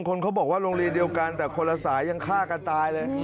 คนเขาบอกลงหลีเดียวกันแต่คนละสายยังฆ่ากันตายเลย